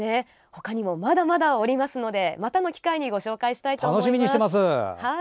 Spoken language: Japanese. ほかにもまだまだおりますのでまたの機会にご紹介したいと思います。